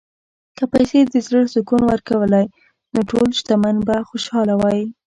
که پیسې د زړه سکون ورکولی، نو ټول شتمن به خوشاله وای.